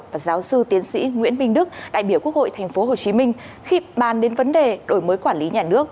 và giáo sư tiến sĩ nguyễn minh đức đại biểu quốc hội tp hcm khi bàn đến vấn đề đổi mới quản lý nhà nước